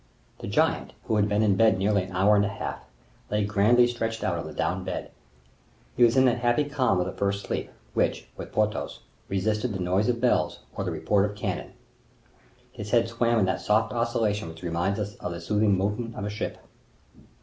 The giant who had been in bed nearly an hour and a half, lay grandly stretched out on the down bed. He was in that happy calm of the first sleep, which, with Porthos, resisted the noise of bells or the report of cannon: his head swam in that soft oscillation which reminds us of the soothing movement of a ship.